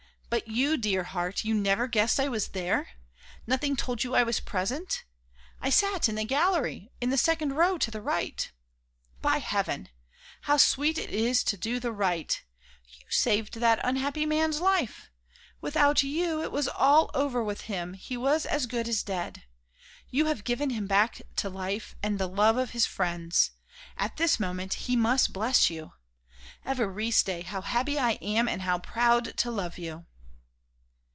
But you, dear heart, you never guessed I was there? Nothing told you I was present? I sat in the gallery in the second row to the right. By heaven! how sweet it is to do the right! you saved that unhappy man's life. Without you, it was all over with him; he was as good as dead. You have given him back to life and the love of his friends. At this moment he must bless you. Évariste, how happy I am and how proud to love you!"